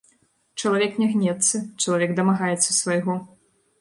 Чалавек не гнецца, чалавек дамагаецца свайго.